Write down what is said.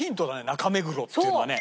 中目黒っていうのはね。